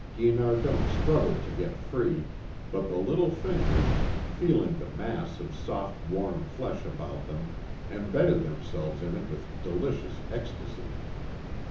Guinardon struggled to get free, but the little fingers, feeling the mass of soft, warm flesh about them, embedded themselves in it with delicious ecstasy.